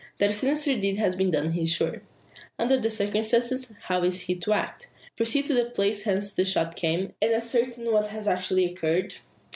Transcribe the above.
That a sinister deed has been done he is sure. Under the circumstances, how is he to act? Proceed to the place whence the shots came, and ascertain what has actually occurred?